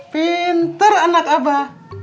pintar anak abah